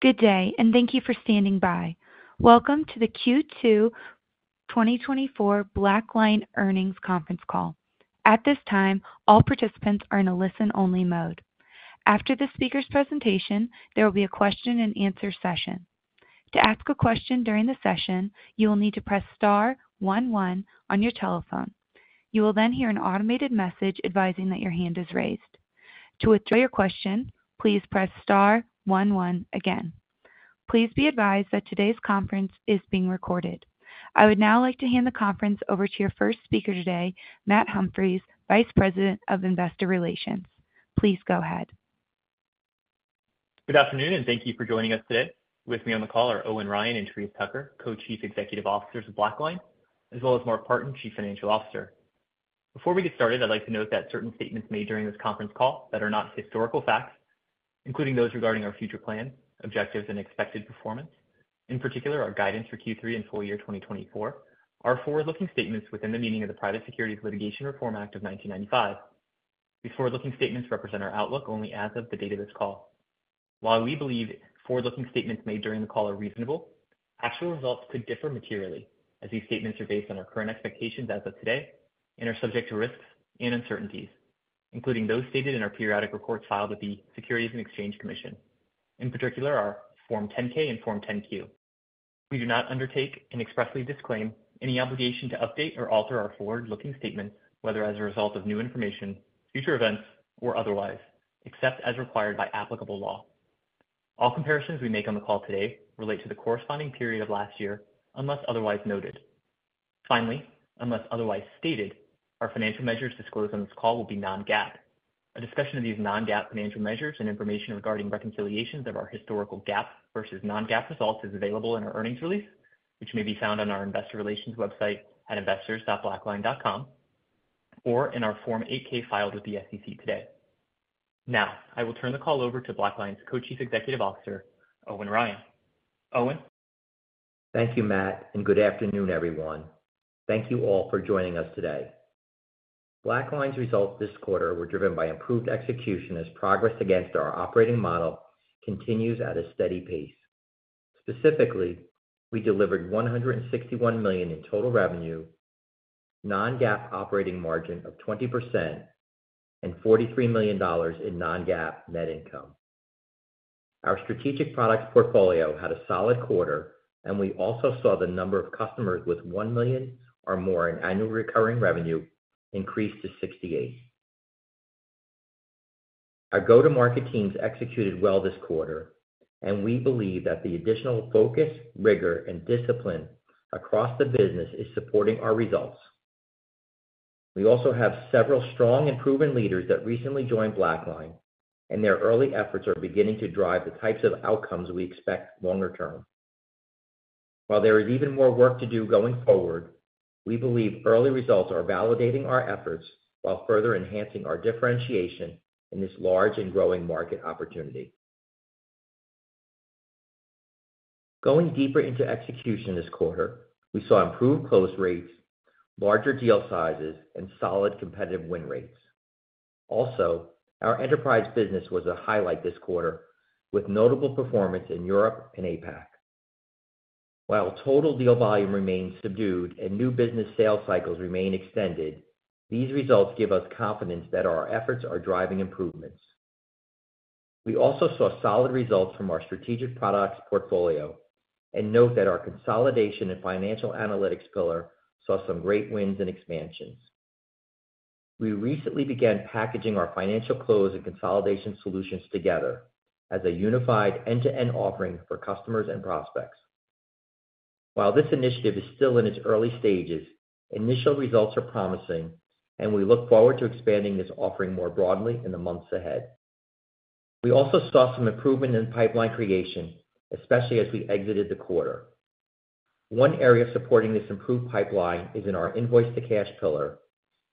Good day, and thank you for standing by. Welcome to the Q2 2024 BlackLine Earnings Conference Call. At this time, all participants are in a listen-only mode. After the speaker's presentation, there will be a question-and-answer session. To ask a question during the session, you will need to press star one one on your telephone. You will then hear an automated message advising that your hand is raised. To withdraw your question, please press star one one again. Please be advised that today's conference is being recorded. I would now like to hand the conference over to your first speaker today, Matt Humphries, Vice President of Investor Relations. Please go ahead. Good afternoon, and thank you for joining us today. With me on the call are Owen Ryan and Therese Tucker, Co-Chief Executive Officers of BlackLine, as well as Mark Partin, Chief Financial Officer. Before we get started, I'd like to note that certain statements made during this conference call that are not historical facts, including those regarding our future plans, objectives, and expected performance, in particular, our guidance for Q3 and full year 2024, are forward-looking statements within the meaning of the Private Securities Litigation Reform Act of 1995. These forward-looking statements represent our outlook only as of the date of this call. While we believe forward-looking statements made during the call are reasonable, actual results could differ materially as these statements are based on our current expectations as of today and are subject to risks and uncertainties, including those stated in our periodic reports filed with the Securities and Exchange Commission, in particular, our Form 10-K and Form 10-Q. We do not undertake and expressly disclaim any obligation to update or alter our forward-looking statements, whether as a result of new information, future events, or otherwise, except as required by applicable law. All comparisons we make on the call today relate to the corresponding period of last year, unless otherwise noted. Finally, unless otherwise stated, our financial measures disclosed on this call will be non-GAAP. A discussion of these non-GAAP financial measures and information regarding reconciliations of our historical GAAP versus non-GAAP results is available in our earnings release, which may be found on our investor relations website at investors.blackline.com or in our Form 8-K filed with the SEC today. Now, I will turn the call over to BlackLine's Co-Chief Executive Officer, Owen Ryan. Owen? Thank you, Matt, and good afternoon, everyone. Thank you all for joining us today. BlackLine's results this quarter were driven by improved execution as progress against our operating model continues at a steady pace. Specifically, we delivered $161 million in total revenue, non-GAAP operating margin of 20%, and $43 million in non-GAAP net income. Our strategic products portfolio had a solid quarter, and we also saw the number of customers with $1 million or more in annual recurring revenue increase to 68%. Our go-to-market teams executed well this quarter, and we believe that the additional focus, rigor, and discipline across the business is supporting our results. We also have several strong and proven leaders that recently joined BlackLine, and their early efforts are beginning to drive the types of outcomes we expect longer-term. While there is even more work to do going forward, we believe early results are validating our efforts while further enhancing our differentiation in this large and growing market opportunity. Going deeper into execution this quarter, we saw improved close rates, larger deal sizes, and solid competitive win rates. Also, our enterprise business was a highlight this quarter, with notable performance in Europe and APAC. While total deal volume remains subdued and new business sales cycles remain extended, these results give us confidence that our efforts are driving improvements. We also saw solid results from our strategic products portfolio and note that our consolidation and financial analytics pillar saw some great wins and expansions. We recently began packaging our financial close and consolidation solutions together as a unified end-to-end offering for customers and prospects. While this initiative is still in its early stages, initial results are promising, and we look forward to expanding this offering more broadly in the months ahead. We also saw some improvement in pipeline creation, especially as we exited the quarter. One area supporting this improved pipeline is in our Invoice-to-Cash pillar,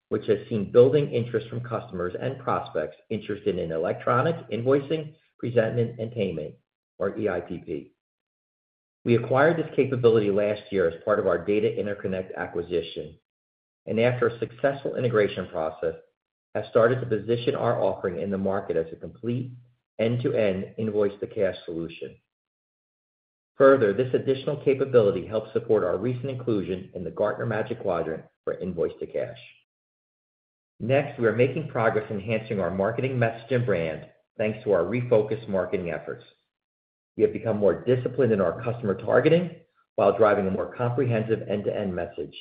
which has seen building interest from customers and prospects interested in electronic invoicing, presentment, and payment, or EIPP. We acquired this capability last year as part of our Data Interconnect acquisition, and after a successful integration process, have started to position our offering in the market as a complete end-to-end Invoice-to-Cash solution. Further, this additional capability helps support our recent inclusion in the Gartner Magic Quadrant for Invoice-to-Cash. Next, we are making progress enhancing our marketing message and brand, thanks to our refocused marketing efforts. We have become more disciplined in our customer targeting while driving a more comprehensive end-to-end message.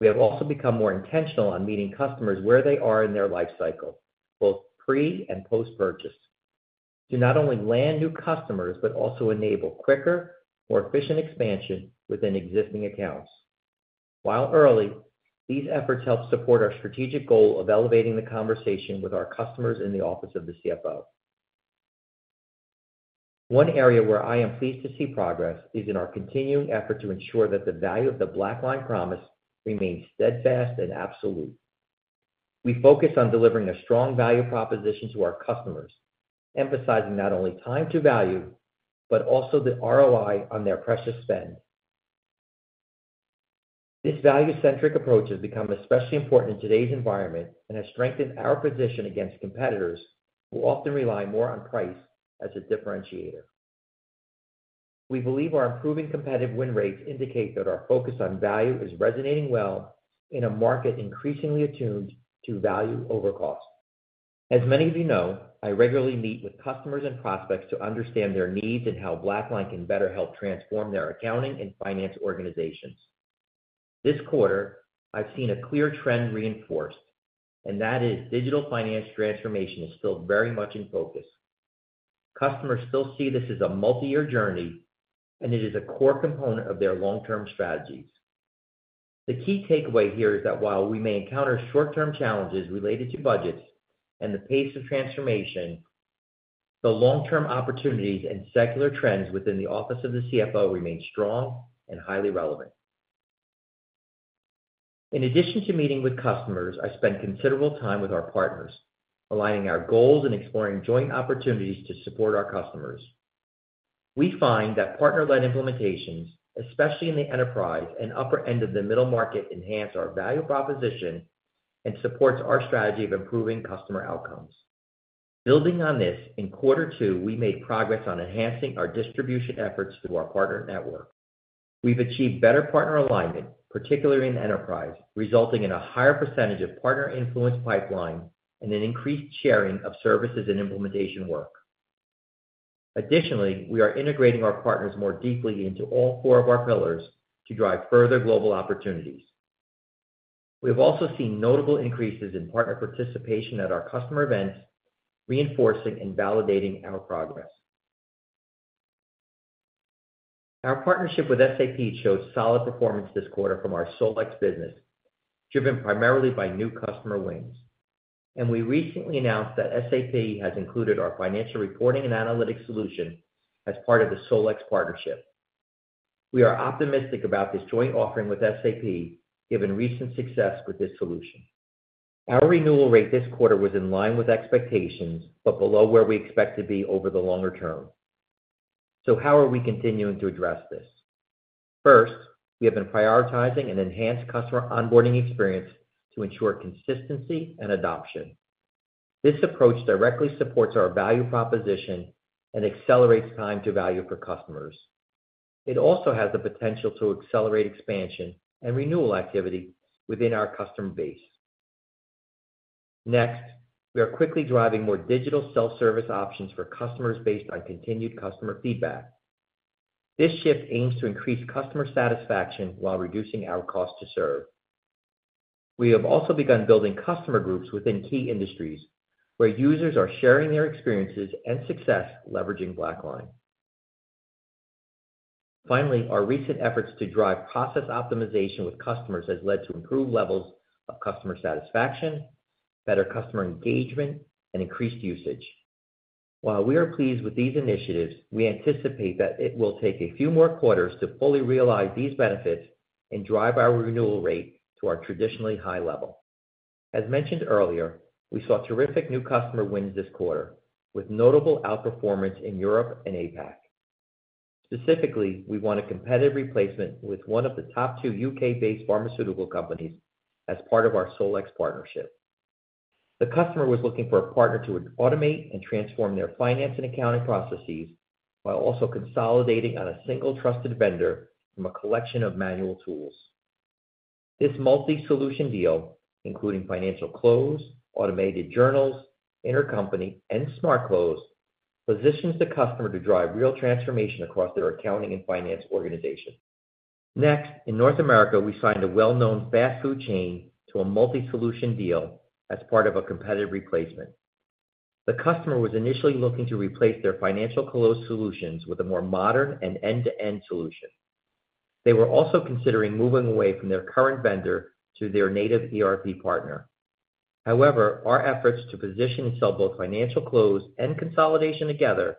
We have also become more intentional on meeting customers where they are in their life cycle, both pre- and post-purchase, to not only land new customers, but also enable quicker, more efficient expansion within existing accounts. While early, these efforts help support our strategic goal of elevating the conversation with our customers in the Office of the CFO. One area where I am pleased to see progress is in our continuing effort to ensure that the value of the BlackLine promise remains steadfast and absolute. We focus on delivering a strong value proposition to our customers, emphasizing not only time to value, but also the ROI on their precious spend. This value-centric approach has become especially important in today's environment and has strengthened our position against competitors, who often rely more on price as a differentiator. We believe our improving competitive win rates indicate that our focus on value is resonating well in a market increasingly attuned to value over cost. As many of you know, I regularly meet with customers and prospects to understand their needs and how BlackLine can better help transform their accounting and finance organizations. This quarter, I've seen a clear trend reinforced, and that is digital finance transformation is still very much in focus. Customers still see this as a multi-year journey, and it is a core component of their long-term strategies. The key takeaway here is that while we may encounter short-term challenges related to budgets and the pace of transformation, the long-term opportunities and secular trends within the Office of the CFO remain strong and highly relevant. In addition to meeting with customers, I spent considerable time with our partners, aligning our goals and exploring joint opportunities to support our customers. We find that partner-led implementations, especially in the enterprise and upper end of the middle market, enhance our value proposition and supports our strategy of improving customer outcomes. Building on this, in quarter two, we made progress on enhancing our distribution efforts through our partner network. We've achieved better partner alignment, particularly in enterprise, resulting in a higher percentage of partner influence pipeline and an increased sharing of services and implementation work. Additionally, we are integrating our partners more deeply into all four of our pillars to drive further global opportunities. We have also seen notable increases in partner participation at our customer events, reinforcing and validating our progress. Our partnership with SAP showed solid performance this quarter from our SolEx business, driven primarily by new customer wins. We recently announced that SAP has included our Financial Reporting and Analytics solution as part of the SolEx partnership. We are optimistic about this joint offering with SAP, given recent success with this solution. Our renewal rate this quarter was in line with expectations, but below where we expect to be over the longer term. How are we continuing to address this? First, we have been prioritizing an enhanced customer onboarding experience to ensure consistency and adoption. This approach directly supports our value proposition and accelerates time to value for customers. It also has the potential to accelerate expansion and renewal activity within our customer base. Next, we are quickly driving more digital self-service options for customers based on continued customer feedback. This shift aims to increase customer satisfaction while reducing our cost to serve. We have also begun building customer groups within key industries, where users are sharing their experiences and success, leveraging BlackLine. Finally, our recent efforts to drive process optimization with customers has led to improved levels of customer satisfaction, better customer engagement, and increased usage. While we are pleased with these initiatives, we anticipate that it will take a few more quarters to fully realize these benefits and drive our renewal rate to our traditionally high level. As mentioned earlier, we saw terrific new customer wins this quarter, with notable outperformance in Europe and APAC. Specifically, we won a competitive replacement with one of the top two U.K. based pharmaceutical companies as part of our SolEx partnership. The customer was looking for a partner to automate and transform their finance and accounting processes, while also consolidating on a single trusted vendor from a collection of manual tools. This multi-solution deal, including financial close, automated journals, intercompany, and Smart Close, positions the customer to drive real transformation across their accounting and finance organization. Next, in North America, we signed a well-known fast food chain to a multi-solution deal as part of a competitive replacement. The customer was initially looking to replace their financial close solutions with a more modern and end-to-end solution. They were also considering moving away from their current vendor to their native ERP partner. However, our efforts to position and sell both financial close and consolidation together,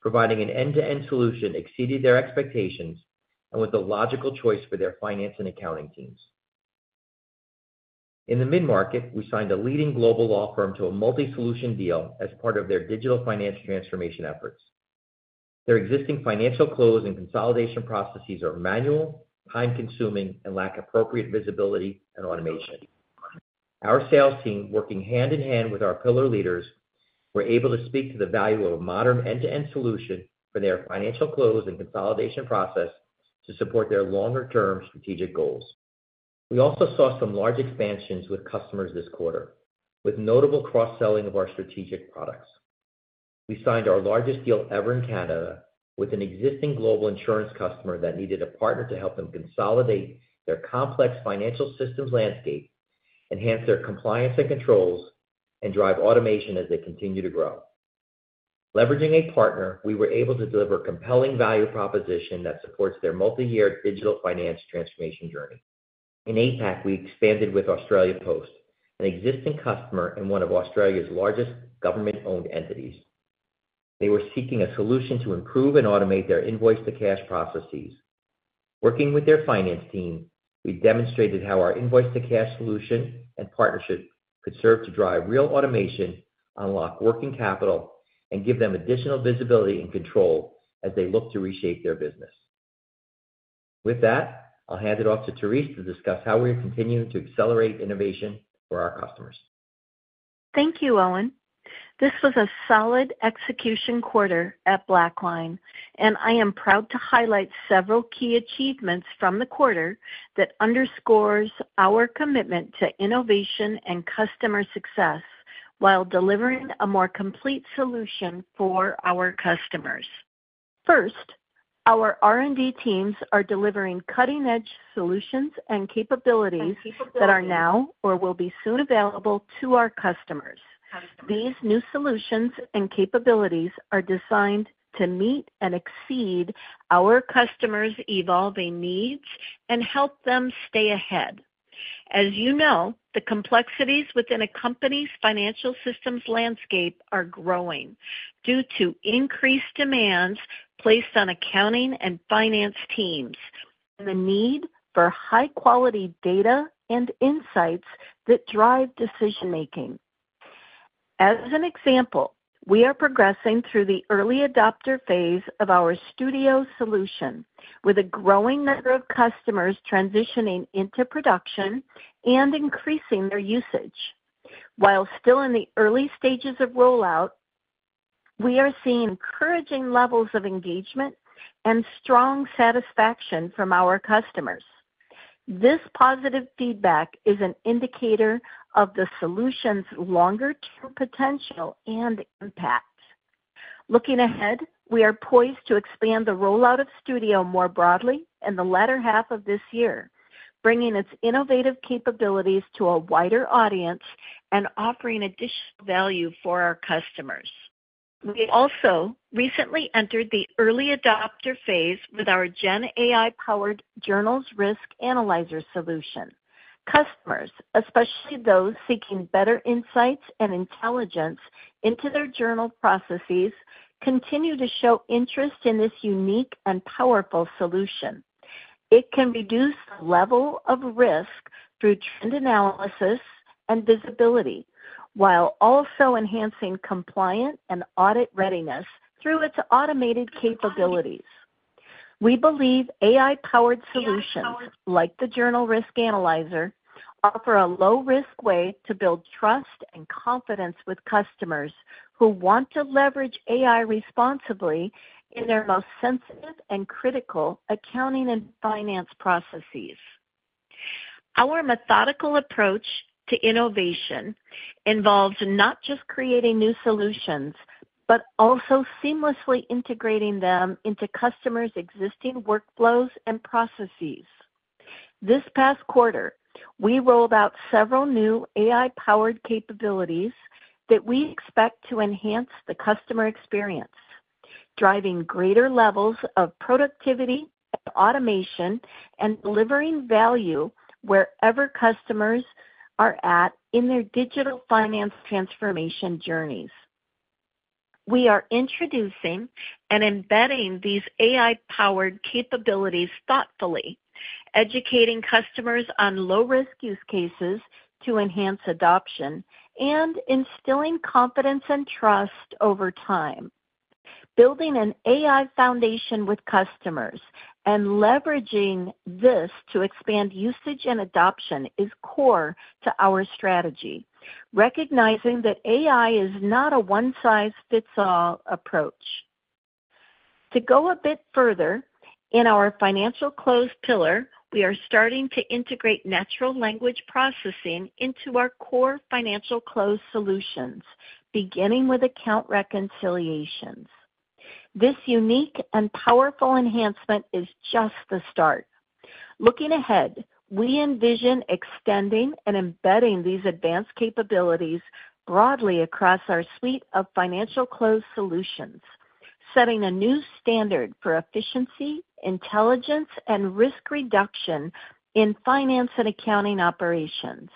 providing an end-to-end solution, exceeded their expectations and was the logical choice for their finance and accounting teams. In the mid-market, we signed a leading global law firm to a multi-solution deal as part of their digital finance transformation efforts. Their existing financial close and consolidation processes are manual, time-consuming, and lack appropriate visibility and automation. Our sales team, working hand in hand with our pillar leaders, were able to speak to the value of a modern, end-to-end solution for their financial close and consolidation process to support their longer-term strategic goals. We also saw some large expansions with customers this quarter, with notable cross-selling of our strategic products. We signed our largest deal ever in Canada with an existing global insurance customer that needed a partner to help them consolidate their complex financial systems landscape, enhance their compliance and controls, and drive automation as they continue to grow. Leveraging a partner, we were able to deliver compelling value proposition that supports their multi-year digital finance transformation journey. In APAC, we expanded with Australia Post, an existing customer and one of Australia's largest government-owned entities. They were seeking a solution to improve and automate their Invoice-to-Cash processes. Working with their finance team, we demonstrated how our invoice-to-cash solution and partnership could serve to drive real automation, unlock working capital and give them additional visibility and control as they look to reshape their business. With that, I'll hand it off to Therese to discuss how we are continuing to accelerate innovation for our customers. Thank you, Owen. This was a solid execution quarter at BlackLine, and I am proud to highlight several key achievements from the quarter that underscores our commitment to innovation and customer success while delivering a more complete solution for our customers. First, our R&D teams are delivering cutting-edge solutions and capabilities that are now or will be soon available to our customers. These new solutions and capabilities are designed to meet and exceed our customers' evolving needs and help them stay ahead. As you know, the complexities within a company's financial systems landscape are growing due to increased demands placed on accounting and finance teams, and the need for high-quality data and insights that drive decision-making. As an example, we are progressing through the early adopter phase of our Studio solution, with a growing number of customers transitioning into production and increasing their usage. While still in the early stages of rollout, we are seeing encouraging levels of engagement and strong satisfaction from our customers. This positive feedback is an indicator of the solution's longer-term potential and impact. Looking ahead, we are poised to expand the rollout of Studio more broadly in the latter half of this year, bringing its innovative capabilities to a wider audience and offering additional value for our customers. We also recently entered the early adopter phase with our Gen AI-powered Journals Risk Analyzer solution. Customers, especially those seeking better insights and intelligence into their journal processes, continue to show interest in this unique and powerful solution. It can reduce the level of risk through trend analysis and visibility, while also enhancing compliance and audit readiness through its automated capabilities. We believe AI-powered solutions, like the Journal Risk Analyzer, offer a low-risk way to build trust and confidence with customers who want to leverage AI responsibly in their most sensitive and critical accounting and finance processes. Our methodical approach to innovation involves not just creating new solutions, but also seamlessly integrating them into customers' existing workflows and processes. This past quarter, we rolled out several new AI-powered capabilities that we expect to enhance the customer experience, driving greater levels of productivity, automation, and delivering value wherever customers are at in their digital finance transformation journeys. We are introducing and embedding these AI-powered capabilities thoughtfully, educating customers on low-risk use cases to enhance adoption, and instilling confidence and trust over time. Building an AI foundation with customers and leveraging this to expand usage and adoption is core to our strategy, recognizing that AI is not a one-size-fits-all approach. To go a bit further, in our financial close pillar, we are starting to integrate natural language processing into our core financial close solutions, beginning with account reconciliations. This unique and powerful enhancement is just the start. Looking ahead, we envision extending and embedding these advanced capabilities broadly across our suite of financial close solutions, setting a new standard for efficiency, intelligence, and risk reduction in finance and accounting operations.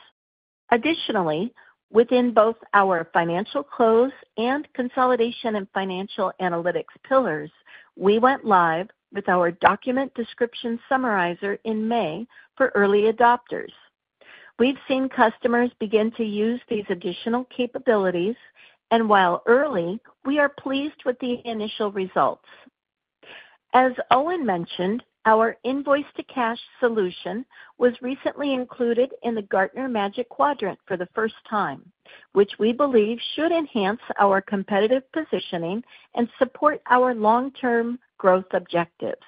Additionally, within both our financial close and consolidation and financial analytics pillars, we went live with our document description summarizer in May for early adopters. We've seen customers begin to use these additional capabilities, and while early, we are pleased with the initial results. As Owen mentioned, our Invoice-to-Cash solution was recently included in the Gartner Magic Quadrant for the first time, which we believe should enhance our competitive positioning and support our long-term growth objectives.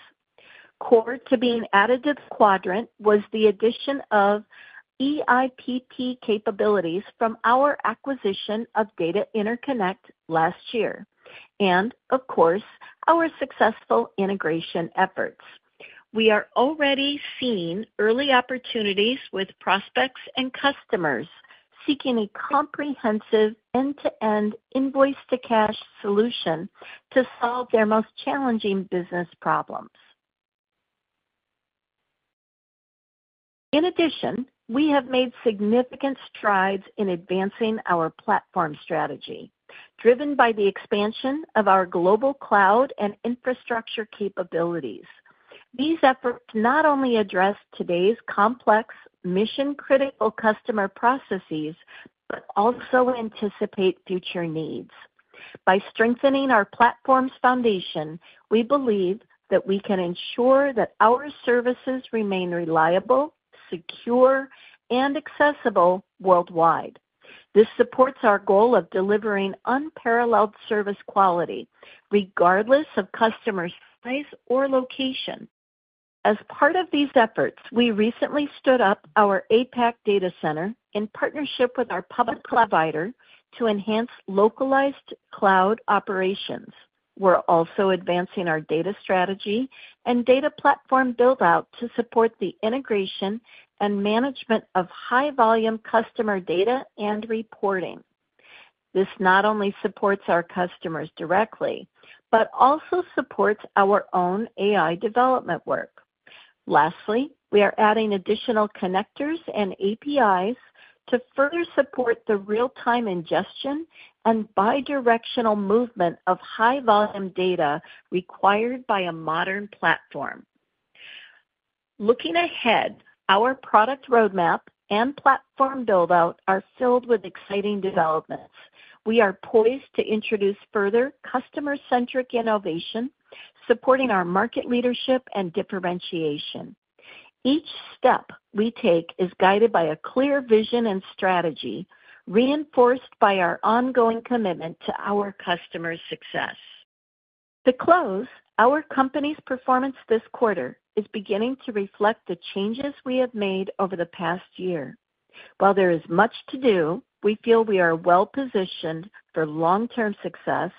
Core to being added to this quadrant was the addition of EIPP capabilities from our acquisition of Data Interconnect last year, and of course, our successful integration efforts. We are already seeing early opportunities with prospects and customers seeking a comprehensive end-to-end Invoice-to-Cash solution to solve their most challenging business problems. In addition, we have made significant strides in advancing our platform strategy, driven by the expansion of our global cloud and infrastructure capabilities. These efforts not only address today's complex mission-critical customer processes, but also anticipate future needs. By strengthening our platform's foundation, we believe that we can ensure that our services remain reliable, secure, and accessible worldwide. This supports our goal of delivering unparalleled service quality, regardless of customers' size or location. As part of these efforts, we recently stood up our APAC data center in partnership with our public provider to enhance localized cloud operations. We're also advancing our data strategy and data platform build-out to support the integration and management of high-volume customer data and reporting. This not only supports our customers directly, but also supports our own AI development work. Lastly, we are adding additional connectors and APIs to further support the real-time ingestion and bidirectional movement of high-volume data required by a modern platform. Looking ahead, our product roadmap and platform build-out are filled with exciting developments. We are poised to introduce further customer-centric innovation, supporting our market leadership and differentiation. Each step we take is guided by a clear vision and strategy, reinforced by our ongoing commitment to our customers' success. To close, our company's performance this quarter is beginning to reflect the changes we have made over the past year. While there is much to do, we feel we are well-positioned for long-term success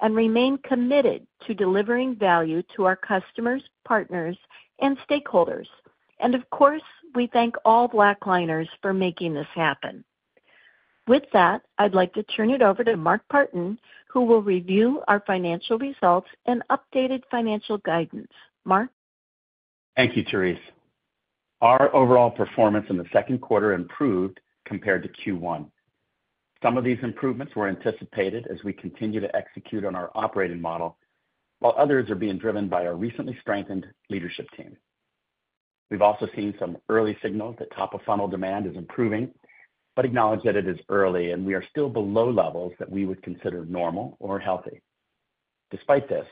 and remain committed to delivering value to our customers, partners, and stakeholders. Of course, we thank all BlackLiners for making this happen. With that, I'd like to turn it over to Mark Partin, who will review our financial results and updated financial guidance. Mark? Thank you, Therese. Our overall performance in the second quarter improved compared to Q1. Some of these improvements were anticipated as we continue to execute on our operating model, while others are being driven by our recently strengthened leadership team. We've also seen some early signals that top-of-funnel demand is improving, but acknowledge that it is early, and we are still below levels that we would consider normal or healthy. Despite this,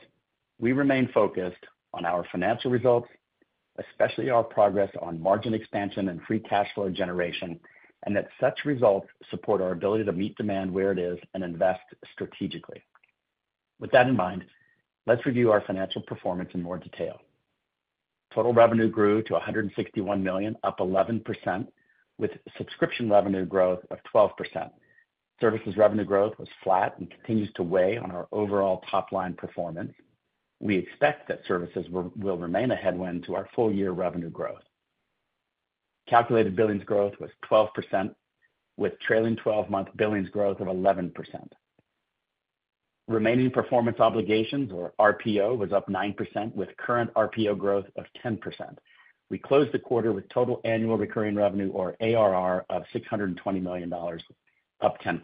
we remain focused on our financial results, especially our progress on margin expansion and free cash flow generation, and that such results support our ability to meet demand where it is and invest strategically. With that in mind, let's review our financial performance in more detail. Total revenue grew to $161 million, up 11%, with subscription revenue growth of 12%. Services revenue growth was flat and continues to weigh on our overall top-line performance. We expect that services will remain a headwind to our full-year revenue growth. Calculated billings growth was 12%, with trailing 12-month billings growth of 11%. Remaining performance obligations, or RPO, was up 9%, with current RPO growth of 10%. We closed the quarter with total annual recurring revenue, or ARR, of $620 million, up 10%.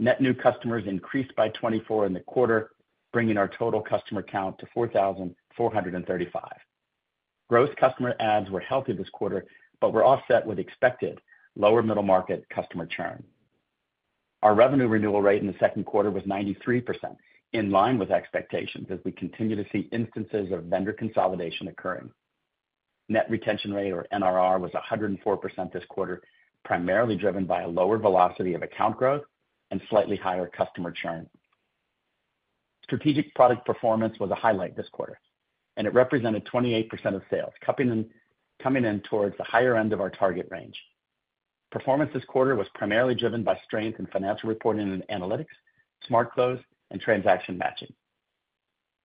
Net new customers increased by 24 in the quarter, bringing our total customer count to 4,435. Gross customer adds were healthy this quarter, but were offset with expected lower middle-market customer churn. Our revenue renewal rate in the second quarter was 93%, in line with expectations, as we continue to see instances of vendor consolidation occurring. Net retention rate, or NRR, was 104% this quarter, primarily driven by a lower velocity of account growth and slightly higher customer churn. Strategic product performance was a highlight this quarter, and it represented 28% of sales, coming in towards the higher end of our target range. Performance this quarter was primarily driven by strength in Financial Reporting and Analytics, Smart Close, and Transaction Matching.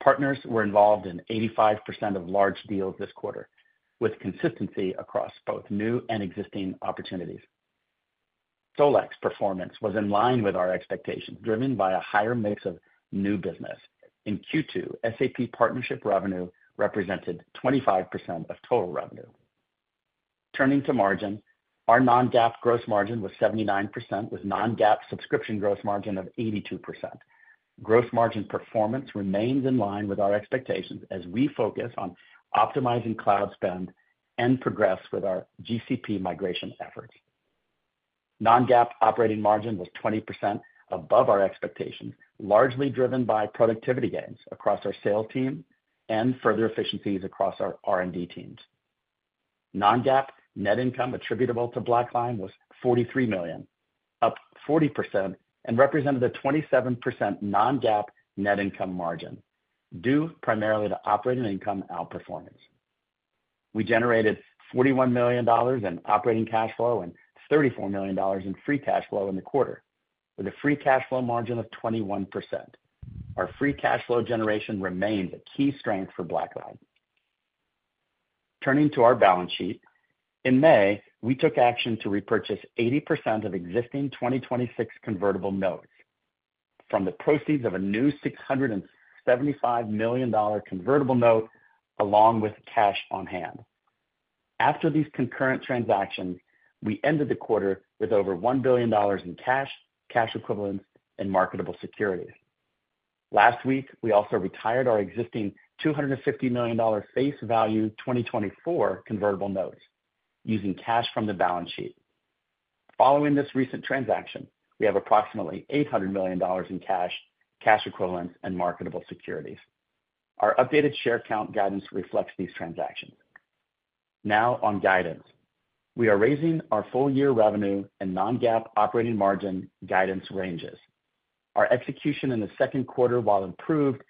Partners were involved in 85% of large deals this quarter, with consistency across both new and existing opportunities. SolEx performance was in line with our expectations, driven by a higher mix of new business. In Q2, SAP partnership revenue represented 25% of total revenue. Turning to margin, our non-GAAP gross margin was 79%, with non-GAAP subscription gross margin of 82%. Gross margin performance remains in line with our expectations as we focus on optimizing cloud spend and progress with our GCP migration efforts. Non-GAAP operating margin was 20% above our expectations, largely driven by productivity gains across our sales team and further efficiencies across our R&D teams. Non-GAAP net income attributable to BlackLine was $43 million, up 40%, and represented a 27% non-GAAP net income margin, due primarily to operating income outperformance. We generated $41 million in operating cash flow and $34 million in free cash flow in the quarter, with a free cash flow margin of 21%. Our free cash flow generation remains a key strength for BlackLine. Turning to our balance sheet, in May, we took action to repurchase 80% of existing 2026 convertible notes from the proceeds of a new $675 million convertible note, along with cash on hand. After these concurrent transactions, we ended the quarter with over $1 billion in cash, cash equivalents, and marketable securities. Last week, we also retired our existing $250 million face value 2024 convertible notes using cash from the balance sheet. Following this recent transaction, we have approximately $800 million in cash, cash equivalents, and marketable securities. Our updated share count guidance reflects these transactions. Now, on guidance. We are raising our full-year revenue and non-GAAP operating margin guidance ranges. Our execution in the second quarter, while improved,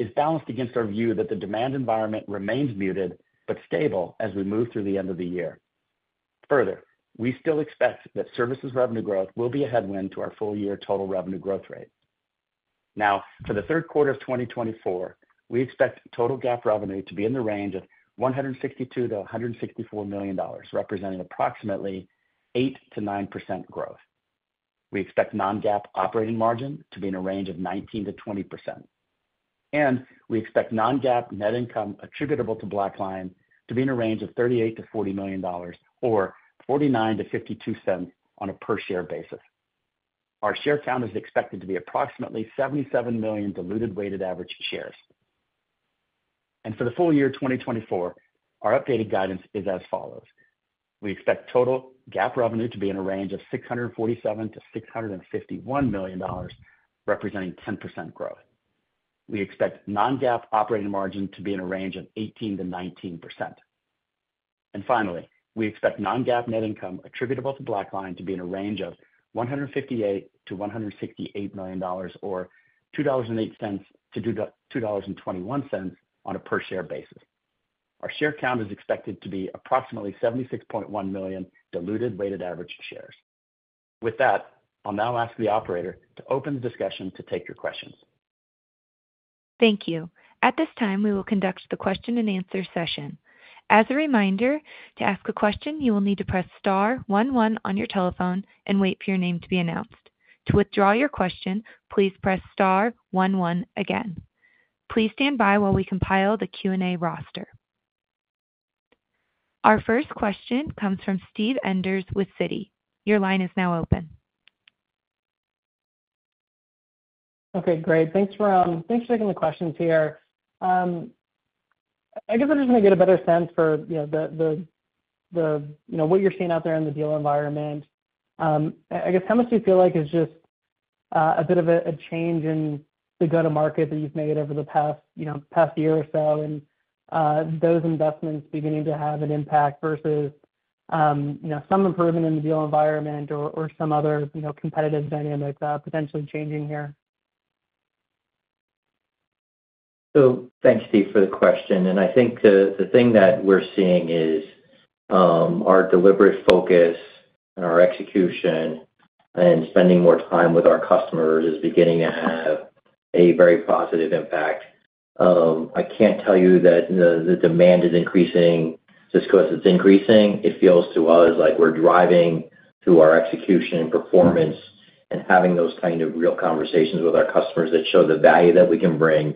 is balanced against our view that the demand environment remains muted but stable as we move through the end of the year. Further, we still expect that services revenue growth will be a headwind to our full-year total revenue growth rate. Now, for the third quarter of 2024, we expect total GAAP revenue to be in the range of $162 million-$164 million, representing approximately 8%-9% growth. We expect non-GAAP operating margin to be in a range of 19%-20%, and we expect non-GAAP net income attributable to BlackLine to be in a range of $38 million-$40 million, or $0.49-$0.52 on a per-share basis. Our share count is expected to be approximately 77 million diluted weighted average shares. And for the full year 2024, our updated guidance is as follows: We expect total GAAP revenue to be in a range of $647 million-$651 million, representing 10% growth. We expect non-GAAP operating margin to be in a range of 18%-19%. And finally, we expect non-GAAP net income attributable to BlackLine to be in a range of $158 million-$168 million, or $2.08-$2.21 on a per-share basis. Our share count is expected to be approximately 76.1 million diluted weighted average shares. With that, I'll now ask the operator to open the discussion to take your questions. Thank you. At this time, we will conduct the question-and-answer session. As a reminder, to ask a question, you will need to press star one one on your telephone and wait for your name to be announced. To withdraw your question, please press star one one again. Please stand by while we compile the Q&A roster. Our first question comes from Steve Enders with Citi. Your line is now open. Okay, great. Thanks for taking the questions here. I guess I just want to get a better sense for, you know, what you're seeing out there in the deal environment. I guess how much do you feel like it's just a bit of a change in the go-to-market that you've made over the past, you know, past year or so, and those investments beginning to have an impact versus, you know, some improvement in the deal environment or some other, you know, competitive dynamics potentially changing here? So thanks, Steve, for the question, and I think the thing that we're seeing is our deliberate focus and our execution and spending more time with our customers is beginning to have a very positive impact. I can't tell you that the demand is increasing just 'cause it's increasing. It feels to us like we're driving through our execution and performance and having those kind of real conversations with our customers that show the value that we can bring,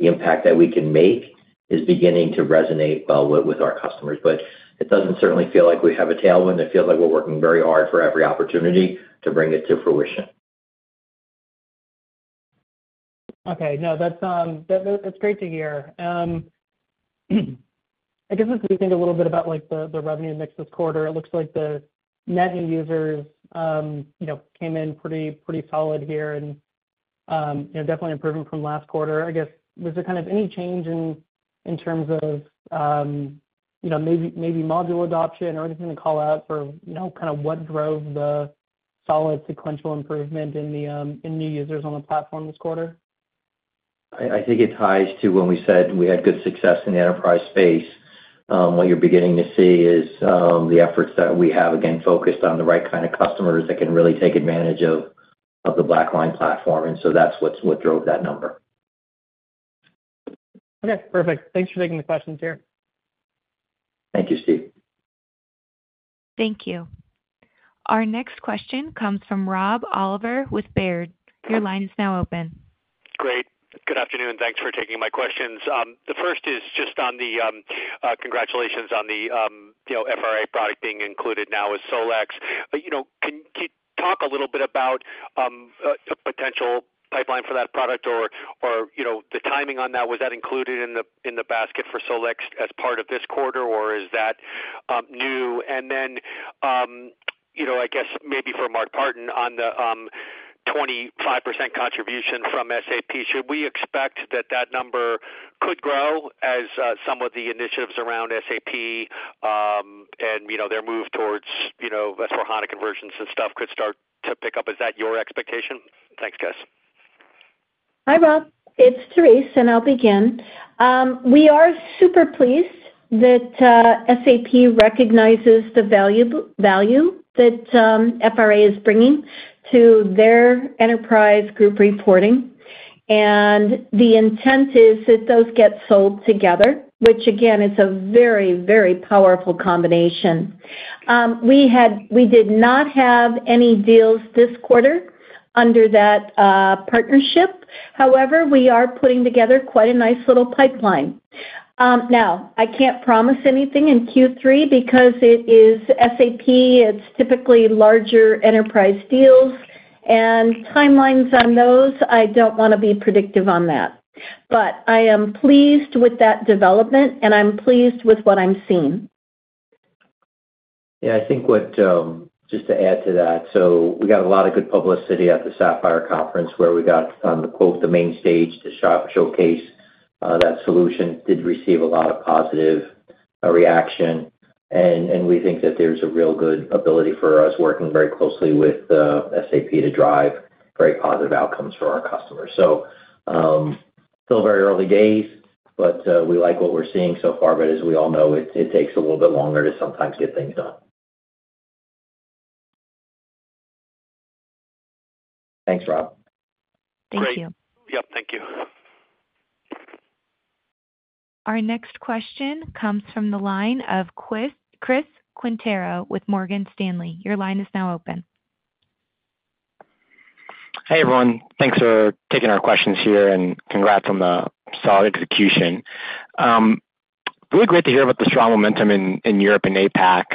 the impact that we can make, is beginning to resonate well with our customers. But it doesn't certainly feel like we have a tailwind. It feels like we're working very hard for every opportunity to bring it to fruition. Okay. No, that's, that, that's great to hear. I guess, as we think a little bit about, like, the, the revenue mix this quarter, it looks like the net new users, you know, came in pretty, pretty solid here and, you know, definitely improvement from last quarter. I guess, was there kind of any change in, in terms of, you know, maybe, maybe module adoption or anything to call out for, you know, kind of what drove the solid sequential improvement in the, in new users on the platform this quarter? I think it ties to when we said we had good success in the enterprise space. What you're beginning to see is the efforts that we have, again, focused on the right kind of customers that can really take advantage of the BlackLine platform, and so that's what drove that number. Okay, perfect. Thanks for taking the questions here. Thank you, Steve. Thank you. Our next question comes from Rob Oliver with Baird. Your line is now open. Great. Good afternoon, thanks for taking my questions. The first is just on the, congratulations on the, you know, FRA product being included now with SolEx. But, you know, can you talk a little bit about, the potential pipeline for that product or, or, you know, the timing on that? Was that included in the, in the basket for SolEx as part of this quarter, or is that, new? And then, you know, I guess maybe for Mark Partin, on the, 25% contribution from SAP, should we expect that that number could grow as, some of the initiatives around SAP, and, you know, their move towards, you know, S/4HANA conversions and stuff could start to pick up? Is that your expectation? Thanks, guys. Hi, Rob. It's Therese, and I'll begin. We are super pleased that SAP recognizes the value that FRA is bringing to their enterprise group reporting, and the intent is that those get sold together, which again, is a very, very powerful combination. We had, we did not have any deals this quarter under that partnership. However, we are putting together quite a nice little pipeline. Now, I can't promise anything in Q3 because it is SAP, it's typically larger enterprise deals, and timelines on those, I don't wanna be predictive on that. But I am pleased with that development, and I'm pleased with what I'm seeing. Yeah, I think what, just to add to that, so we got a lot of good publicity at the Sapphire conference, where we got on the, quote, "the main stage" to showcase that solution. Did receive a lot of positive reaction, and we think that there's a real good ability for us working very closely with SAP to drive very positive outcomes for our customers. So, still very early days, but we like what we're seeing so far. But as we all know, it takes a little bit longer to sometimes get things done. Thanks, Rob. Thank you. Great. Yep, thank you. Our next question comes from the line of Chris Quintero with Morgan Stanley. Your line is now open. Hey, everyone. Thanks for taking our questions here, and congrats on the solid execution. Really great to hear about the strong momentum in Europe and APAC.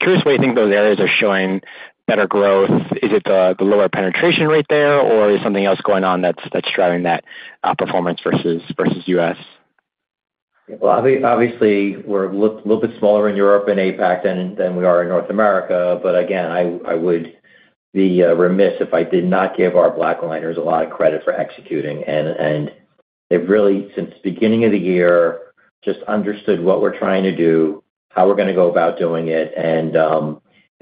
Curious why you think those areas are showing better growth. Is it the lower penetration rate there, or is something else going on that's driving that performance versus U.S.? Well, obviously, we're a little bit smaller in Europe and APAC than we are in North America. But again, I would be remiss if I did not give our BlackLine-ers a lot of credit for executing. And they've really, since the beginning of the year, just understood what we're trying to do, how we're gonna go about doing it, and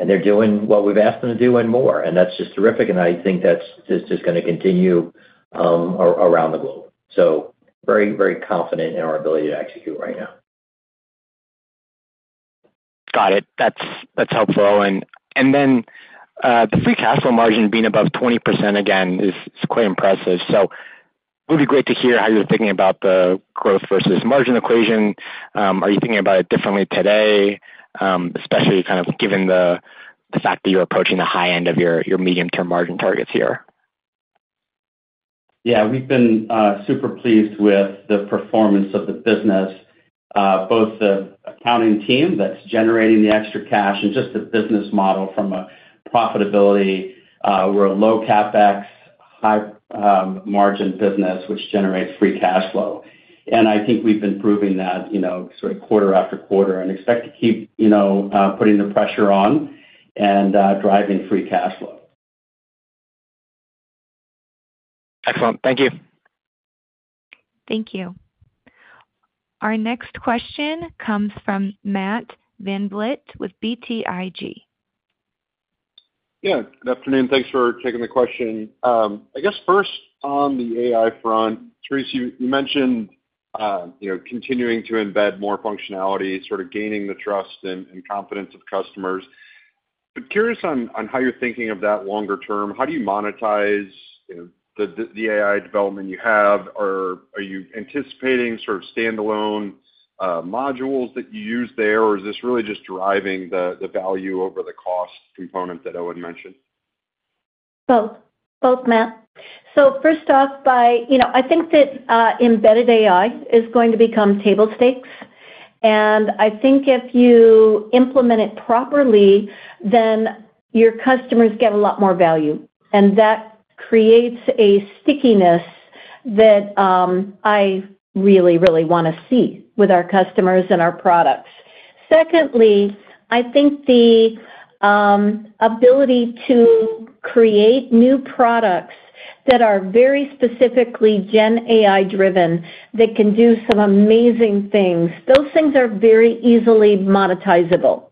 they're doing what we've asked them to do and more, and that's just terrific, and I think that's just gonna continue around the globe. So very, very confident in our ability to execute right now. Got it. That's helpful. And then, the free cash flow margin being above 20% again is quite impressive. So it'll be great to hear how you're thinking about the growth versus margin equation. Are you thinking about it differently today, especially kind of given the fact that you're approaching the high end of your medium-term margin targets here? Yeah. We've been super pleased with the performance of the business, both the accounting team that's generating the extra cash and just the business model from a profitability. We're a low CapEx, high margin business, which generates free cash flow. And I think we've been proving that, you know, sort of quarter after quarter, and expect to keep, you know, putting the pressure on and driving free cash flow. Excellent. Thank you. Thank you. Our next question comes from Matt VanVliet with BTIG. Yeah, good afternoon. Thanks for taking the question. I guess first, on the AI front, Therese, you mentioned, you know, continuing to embed more functionality, sort of gaining the trust and confidence of customers. But curious on how you're thinking of that longer term. How do you monetize, you know, the AI development you have? Or are you anticipating sort of standalone modules that you use there, or is this really just deriving the value over the cost component that Owen mentioned? Both. Both, Matt. So first off, you know, I think that embedded AI is going to become table stakes, and I think if you implement it properly, then your customers get a lot more value, and that creates a stickiness that I really, really wanna see with our customers and our products. Secondly, I think the ability to create new products that are very specifically gen AI driven, that can do some amazing things, those things are very easily monetizable,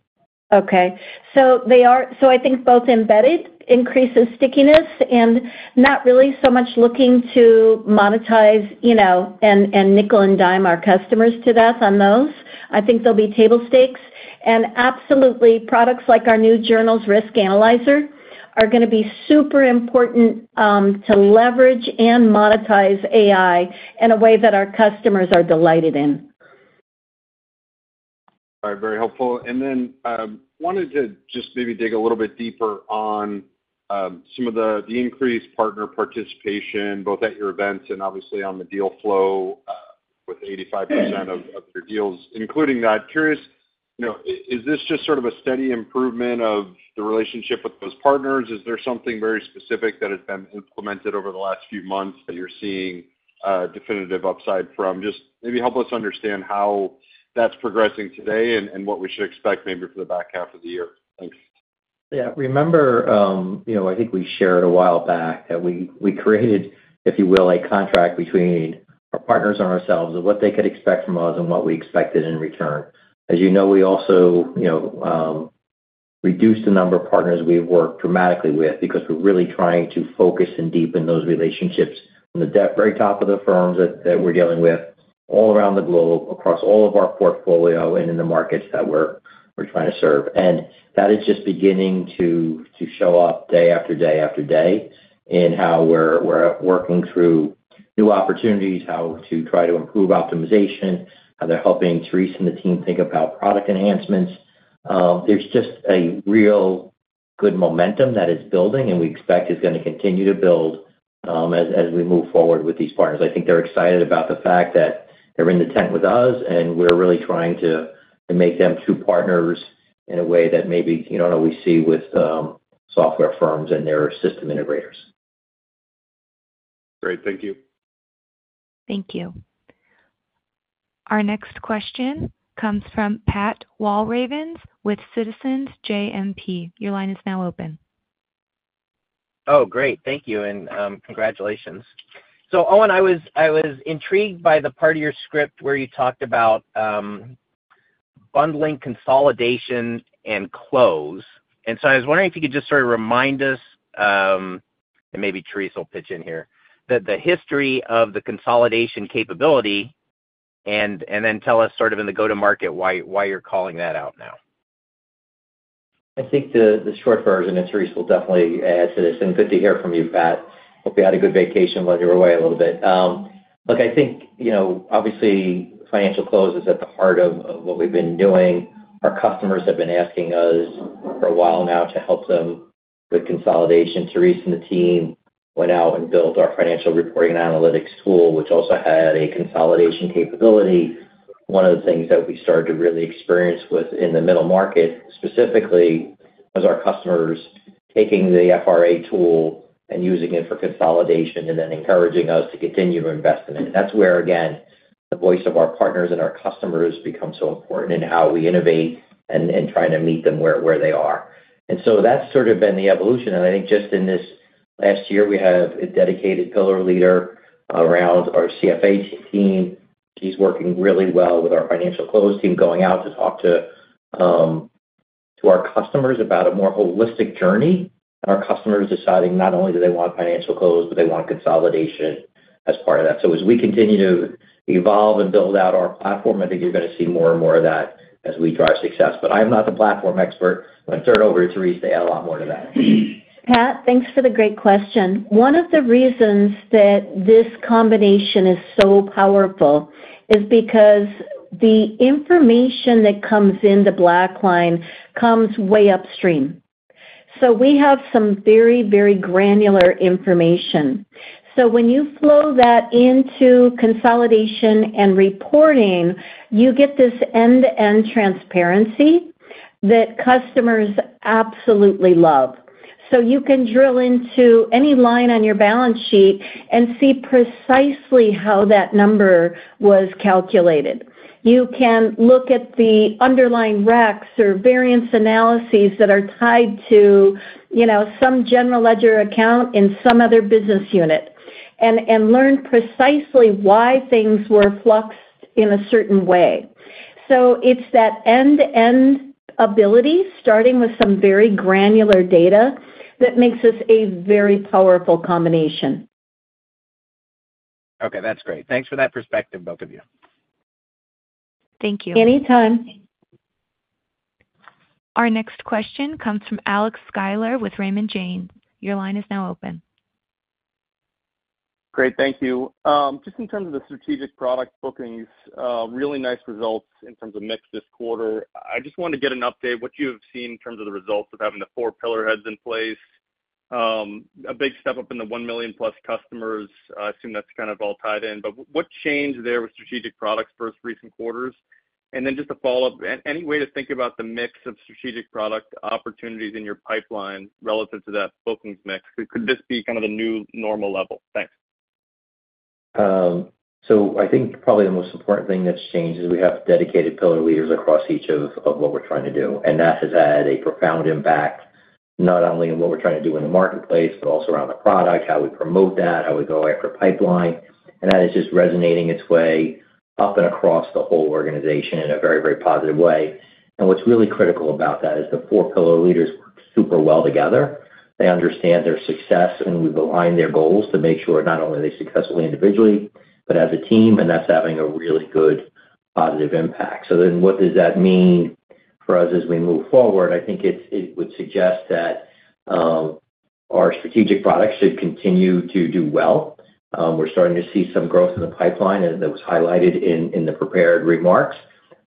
okay? So they are, so I think both embedded increases stickiness and not really so much looking to monetize, you know, and, and nickel and dime our customers to that on those. I think they'll be table stakes. Absolutely, products like our new Journals Risk Analyzer are gonna be super important to leverage and monetize AI in a way that our customers are delighted in. All right, very helpful. And then, wanted to just maybe dig a little bit deeper on, some of the increased partner participation, both at your events and obviously on the deal flow, with 85% of your deals, including that. Curious, you know, is this just sort of a steady improvement of the relationship with those partners? Is there something very specific that has been implemented over the last few months that you're seeing, definitive upside from? Just maybe help us understand how that's progressing today and what we should expect maybe for the back half of the year. Thanks. Yeah. Remember, you know, I think we shared a while back that we created, if you will, a contract between our partners and ourselves of what they could expect from us and what we expected in return. As you know, we also, you know, reduced the number of partners we work dramatically with because we're really trying to focus and deepen those relationships from the very top of the firms that we're dealing with all around the globe, across all of our portfolio and in the markets that we're trying to serve. And that is just beginning to show up day after day after day in how we're working through new opportunities, how to try to improve optimization, how they're helping Therese and the team think about product enhancements. There's just a real good momentum that is building, and we expect is gonna continue to build, as we move forward with these partners. I think they're excited about the fact that they're in the tent with us, and we're really trying to make them two partners in a way that maybe you don't always see with software firms and their system integrators. Great, thank you. Thank you. Our next question comes from Pat Walravens with Citizens JMP. Your line is now open. Oh, great. Thank you, and congratulations. So Owen, I was intrigued by the part of your script where you talked about bundling, consolidation, and close. And so I was wondering if you could just sort of remind us, and maybe Therese will pitch in here, that the history of the consolidation capability, and then tell us sort of in the go-to market, why you're calling that out now? I think the short version, and Therese will definitely add to this, and good to hear from you, Pat. Hope you had a good vacation while you were away a little bit. Look, I think, you know, obviously, financial close is at the heart of what we've been doing. Our customers have been asking us for a while now to help them with consolidation. Therese and the team went out and built our Financial Reporting Analytics tool, which also had a consolidation capability. One of the things that we started to really experience with in the middle market, specifically, was our customers taking the FRA tool and using it for consolidation and then encouraging us to continue to invest in it. That's where, again, the voice of our partners and our customers become so important in how we innovate and trying to meet them where they are. So that's sort of been the evolution. I think just in this last year, we have a dedicated pillar leader around our CFA team. She's working really well with our financial close team, going out to talk to our customers about a more holistic journey, and our customers deciding not only do they want financial close, but they want consolidation as part of that. So as we continue to evolve and build out our platform, I think you're gonna see more and more of that as we drive success. But I'm not the platform expert. I'm gonna turn it over to Therese to add a lot more to that. Pat, thanks for the great question. One of the reasons that this combination is so powerful is because the information that comes into BlackLine comes way upstream. So we have some very, very granular information. So when you flow that into consolidation and reporting, you get this end-to-end transparency that customers absolutely love. So you can drill into any line on your balance sheet and see precisely how that number was calculated. You can look at the underlying recs or variance analyses that are tied to, you know, some general ledger account in some other business unit, and, and learn precisely why things were fluxed in a certain way. So it's that end-to-end ability, starting with some very granular data, that makes this a very powerful combination. Okay, that's great. Thanks for that perspective, both of you. Thank you. Anytime. Our next question comes from Alex Sklar with Raymond James. Your line is now open. Great, thank you. Just in terms of the strategic product bookings, really nice results in terms of mix this quarter. I just wanted to get an update, what you have seen in terms of the results of having the four pillar heads in place. A big step up in the 1 million-plus customers. I assume that's kind of all tied in, but what changed there with strategic products versus recent quarters? And then just a follow-up, any way to think about the mix of strategic product opportunities in your pipeline relative to that bookings mix? Could this be kind of the new normal level? Thanks. So I think probably the most important thing that's changed is we have dedicated pillar leaders across each of what we're trying to do, and that has had a profound impact, not only in what we're trying to do in the marketplace, but also around the product, how we promote that, how we go after pipeline. That is just resonating its way up and across the whole organization in a very, very positive way. What's really critical about that is the four pillar leaders work super well together. They understand their success, and we've aligned their goals to make sure not only are they successful individually, but as a team, and that's having a really good, positive impact. So then what does that mean for us as we move forward? I think it would suggest that our strategic products should continue to do well. We're starting to see some growth in the pipeline, and that was highlighted in the prepared remarks.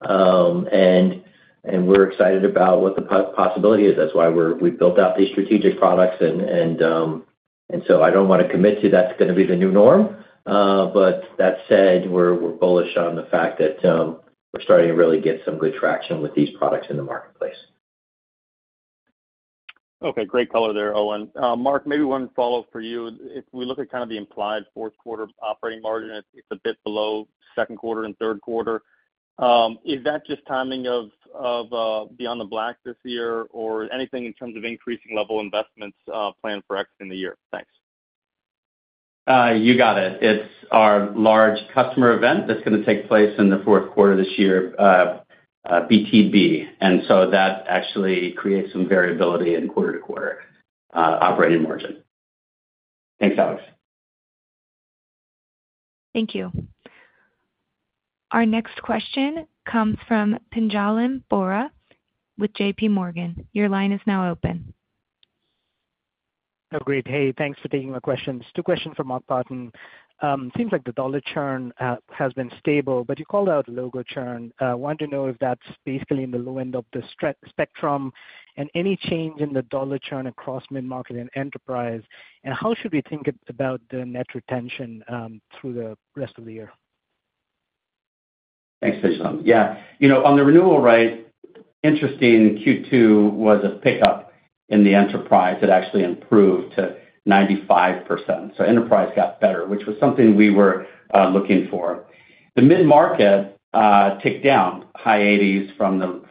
And we're excited about what the possibility is. That's why we've built out these strategic products and so I don't want to commit to that it's gonna be the new norm. But that said, we're bullish on the fact that we're starting to really get some good traction with these products in the marketplace. Okay, great color there, Owen. Mark, maybe one follow-up for you. If we look at kind of the implied fourth quarter operating margin, it's a bit below second quarter and third quarter. Is that just timing of Beyond the Black this year, or anything in terms of increasing level investments, planned for X in the year? Thanks. You got it. It's our large customer event that's gonna take place in the fourth quarter this year, BTB, and so that actually creates some variability in quarter-to-quarter operating margin. Thanks, Alex. Thank you. Our next question comes from Pinjalim Bora with JPMorgan. Your line is now open. Oh, great. Hey, thanks for taking my questions. Two questions from Mark Partin. Seems like the dollar churn has been stable, but you called out logo churn. Wanted to know if that's basically in the low end of the spectrum, and any change in the dollar churn across mid-market and enterprise, and how should we think about the net retention through the rest of the year? Thanks, Pinjalim. Yeah, you know, on the renewal rate, interesting Q2 was a pickup in the enterprise. It actually improved to 95%. So enterprise got better, which was something we were looking for. The mid-market ticked down high 80s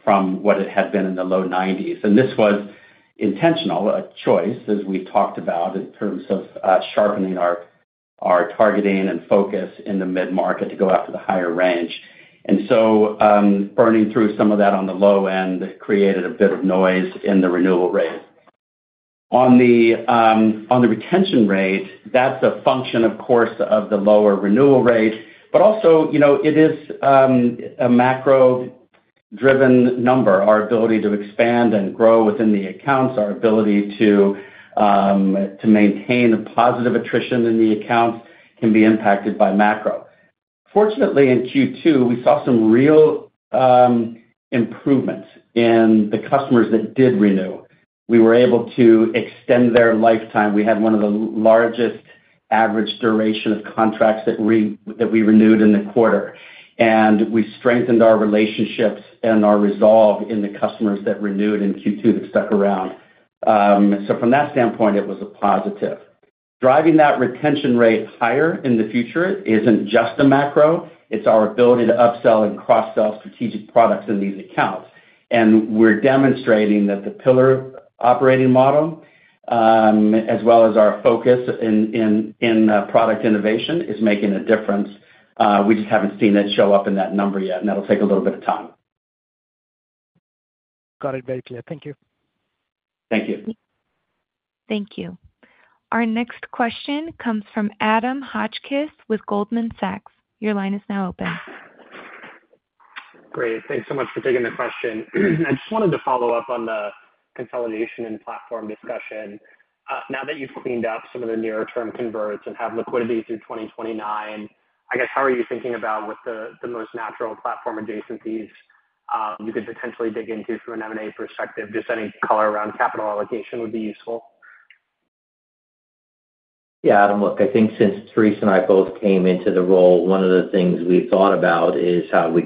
from what it had been in the low 90s, and this was intentional, a choice, as we talked about, in terms of sharpening our targeting and focus in the mid-market to go after the higher range. And so, burning through some of that on the low end created a bit of noise in the renewal rate. On the retention rate, that's a function, of course, of the lower renewal rate, but also, you know, it is a macro-driven number. Our ability to expand and grow within the accounts, our ability to maintain a positive attrition in the accounts can be impacted by macro. Fortunately, in Q2, we saw some real improvements in the customers that did renew. We were able to extend their lifetime. We had one of the largest average duration of contracts that we renewed in the quarter, and we strengthened our relationships and our resolve in the customers that renewed in Q2 that stuck around. So from that standpoint, it was a positive. Driving that retention rate higher in the future isn't just a macro, it's our ability to upsell and cross-sell strategic products in these accounts. And we're demonstrating that the pillar operating model, as well as our focus in product innovation, is making a difference. We just haven't seen it show up in that number yet, and that'll take a little bit of time. Got it. Very clear. Thank you. Thank you. Thank you. Our next question comes from Adam Hotchkiss with Goldman Sachs. Your line is now open. Great. Thanks so much for taking the question. I just wanted to follow up on the consolidation and platform discussion. Now that you've cleaned up some of the nearer term converts and have liquidity through 2029, I guess, how are you thinking about what the most natural platform adjacencies you could potentially dig into from an M&A perspective? Just any color around capital allocation would be useful. Yeah, Adam, look, I think since Therese and I both came into the role, one of the things we've thought about is how we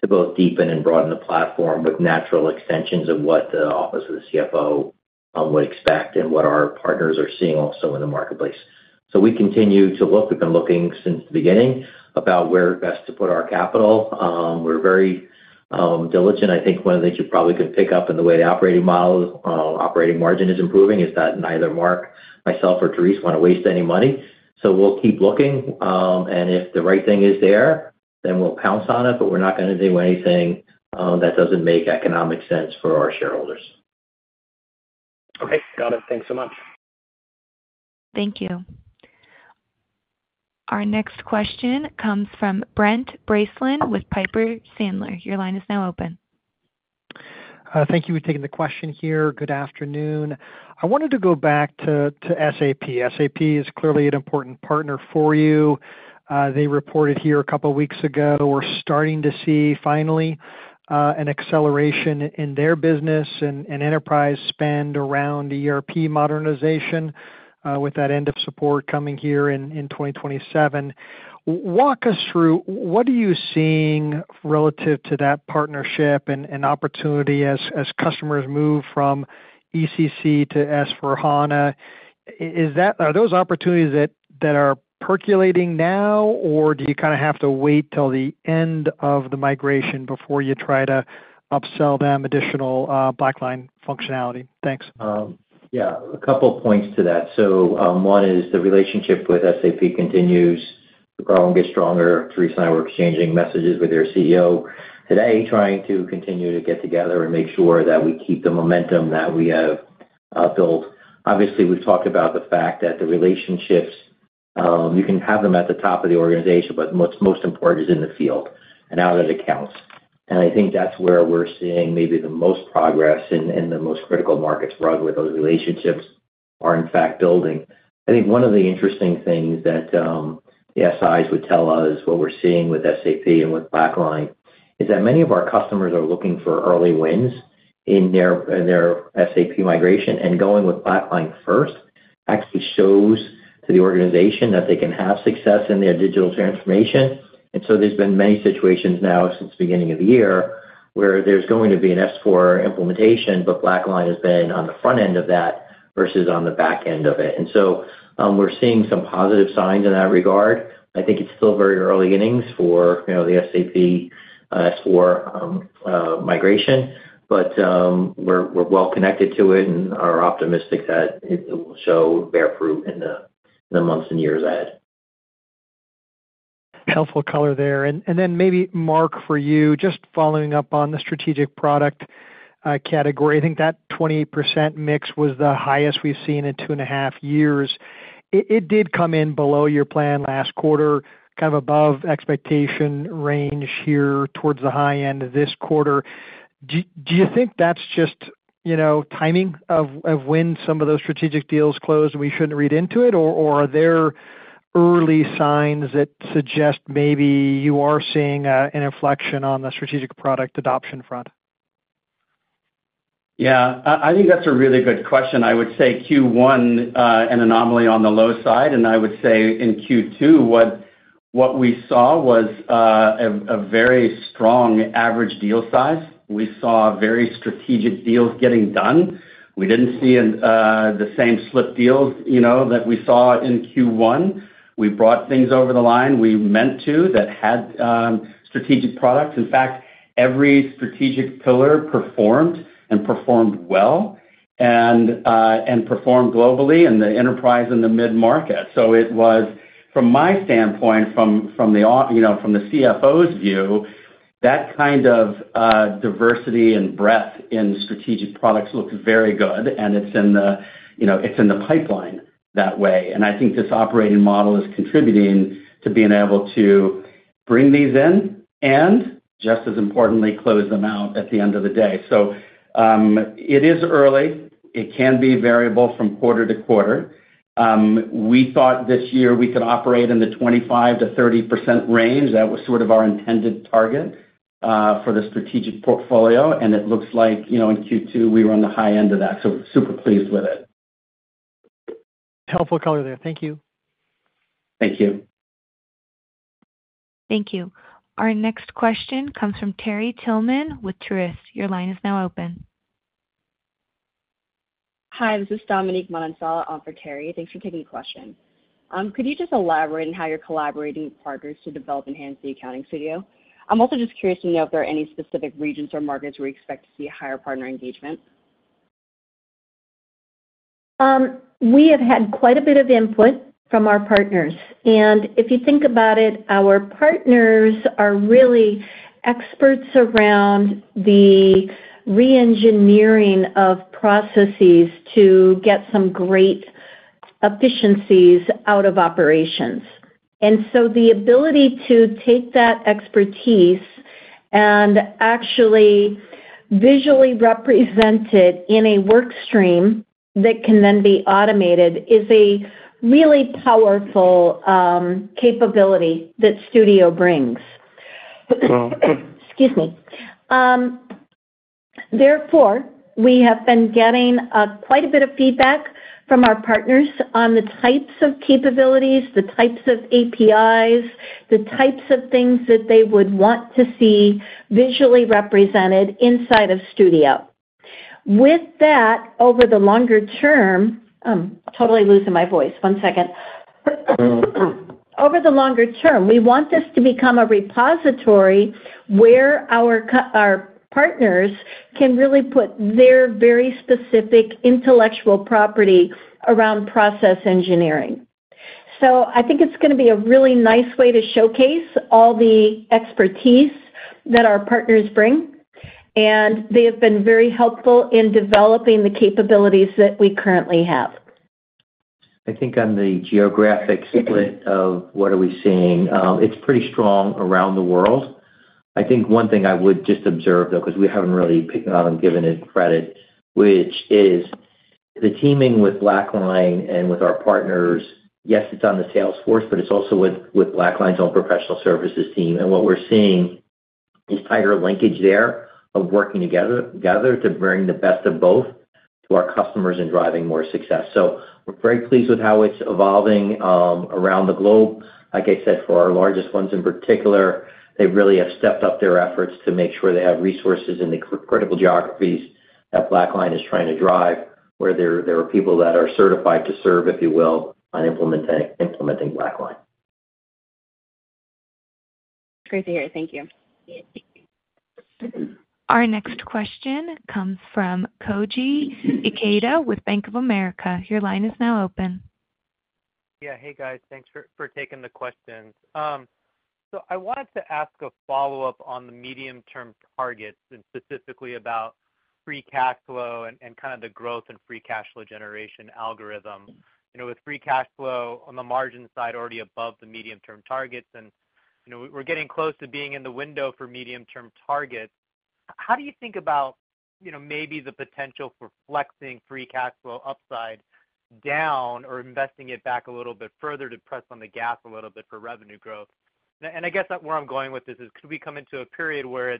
continue to both deepen and broaden the platform with natural extensions of what the Office of the CFO would expect and what our partners are seeing also in the marketplace. So we continue to look. We've been looking since the beginning about where best to put our capital. We're very diligent. I think one of the things you probably could pick up in the way the operating model, operating margin is improving, is that neither Mark, myself, or Therese want to waste any money. So we'll keep looking, and if the right thing is there, then we'll pounce on it, but we're not gonna do anything that doesn't make economic sense for our shareholders. Okay, got it. Thanks so much. Thank you. Our next question comes from Brent Bracelin with Piper Sandler. Your line is now open. Thank you for taking the question here. Good afternoon. I wanted to go back to SAP. SAP is clearly an important partner for you. They reported here a couple of weeks ago that we're starting to see finally an acceleration in their business and enterprise spend around the ERP modernization, with that end of support coming here in 2027. Walk us through, what are you seeing relative to that partnership and opportunity as customers move from ECC to S/4HANA? Is that - are those opportunities that are percolating now, or do you kinda have to wait till the end of the migration before you try to upsell them additional BlackLine functionality? Thanks. Yeah, a couple of points to that. So, one is the relationship with SAP continues to grow and get stronger. Therese and I were exchanging messages with their CEO today, trying to continue to get together and make sure that we keep the momentum that we have built. Obviously, we've talked about the fact that the relationships, you can have them at the top of the organization, but what's most important is in the field and out of the accounts. And I think that's where we're seeing maybe the most progress in the most critical markets where those relationships are, in fact, building. I think one of the interesting things that, the SI would tell us, what we're seeing with SAP and with BlackLine, is that many of our customers are looking for early wins in their, in their SAP migration, and going with BlackLine first actually shows to the organization that they can have success in their digital transformation. And so there's been many situations now since the beginning of the year, where there's going to be an S/4 implementation, but BlackLine has been on the front end of that versus on the back end of it. And so, we're seeing some positive signs in that regard. I think it's still very early innings for, you know, the SAP, S/4, migration, but, we're well connected to it and are optimistic that it will show bear fruit in the months and years ahead. Helpful color there. And then maybe, Mark, for you, just following up on the strategic product... category. I think that 28% mix was the highest we've seen in two and a half years. It did come in below your plan last quarter, kind of above expectation range here towards the high end of this quarter. Do you think that's just, you know, timing of when some of those strategic deals closed, and we shouldn't read into it, or are there early signs that suggest maybe you are seeing an inflection on the strategic product adoption front? Yeah, I think that's a really good question. I would say Q1 an anomaly on the low side, and I would say in Q2, what we saw was a very strong average deal size. We saw very strategic deals getting done. We didn't see in the same slipped deals, you know, that we saw in Q1. We brought things over the line we meant to, that had strategic products. In fact, every strategic pillar performed and performed well, and and performed globally in the enterprise and the mid-market. So it was, from my standpoint, from you know, from the CFO's view, that kind of diversity and breadth in strategic products looked very good, and it's in the, you know, it's in the pipeline that way. I think this operating model is contributing to being able to bring these in, and just as importantly, close them out at the end of the day. So, it is early. It can be variable from quarter to quarter. We thought this year we could operate in the 25%-30% range. That was sort of our intended target for the strategic portfolio, and it looks like, you know, in Q2, we were on the high end of that, so super pleased with it. Helpful color there. Thank you. Thank you. Thank you. Our next question comes from Terry Tillman with Truist. Your line is now open. Hi, this is Dominique Manansala on for Terry. Thanks for taking the question. Could you just elaborate on how you're collaborating with partners to develop and enhance the Accounting Studio? I'm also just curious to know if there are any specific regions or markets where you expect to see higher partner engagement. We have had quite a bit of input from our partners, and if you think about it, our partners are really experts around the re-engineering of processes to get some great efficiencies out of operations. And so the ability to take that expertise and actually visually represent it in a work stream that can then be automated, is a really powerful capability that Studio brings. Therefore, we have been getting quite a bit of feedback from our partners on the types of capabilities, the types of APIs, the types of things that they would want to see visually represented inside of Studio. With that, over the longer term... Over the longer term, we want this to become a repository where our partners can really put their very specific intellectual property around process engineering. So I think it's gonna be a really nice way to showcase all the expertise that our partners bring, and they have been very helpful in developing the capabilities that we currently have. I think on the geographic split of what are we seeing, it's pretty strong around the world. I think one thing I would just observe, though, because we haven't really picked it out and given it credit, which is the teaming with BlackLine and with our partners, yes, it's on the sales force, but it's also with BlackLine's own professional services team. And what we're seeing is tighter linkage there of working together to bring the best of both to our customers and driving more success. So we're very pleased with how it's evolving around the globe. Like I said, for our largest ones in particular, they really have stepped up their efforts to make sure they have resources in the critical geographies that BlackLine is trying to drive, where there, there are people that are certified to serve, if you will, on implementing BlackLine. Great to hear. Thank you. Our next question comes from Koji Ikeda with Bank of America. Your line is now open. Yeah. Hey, guys. Thanks for taking the questions. So I wanted to ask a follow-up on the medium-term targets and specifically about free cash flow and kind of the growth and free cash flow generation algorithm. You know, with free cash flow on the margin side already above the medium-term targets, and you know, we're getting close to being in the window for medium-term targets, how do you think about, you know, maybe the potential for flexing free cash flow upside down or investing it back a little bit further to press on the gas a little bit for revenue growth? And I guess that's where I'm going with this is, could we come into a period where